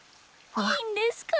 いいんですか？